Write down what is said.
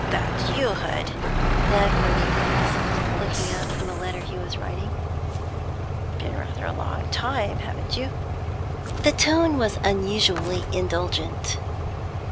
'That you, Hood?' Dagworthy asked, looking up from a letter he was writing. 'Been rather a long time, haven't you?' The tone was unusually indulgent.